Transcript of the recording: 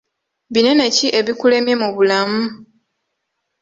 Binene ki ebikulemye mu bulamu?